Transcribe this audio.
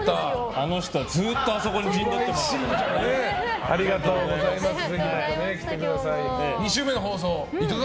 あの人、ずっとあそこを陣取ってますから。